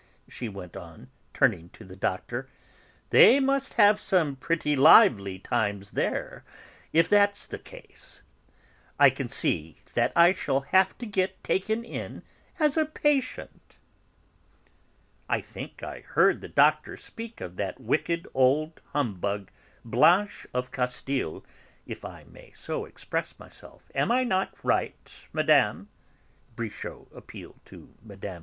she went on, turning to the Doctor. "They must have some pretty lively times there, if that's the case. I can see that I shall have to get taken in as a patient!" "I think I heard the Doctor speak of that wicked old humbug, Blanche of Castile, if I may so express myself. Am I not right, Madame?" Brichot appealed to Mme.